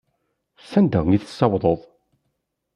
Sanda i tessawḍeḍ?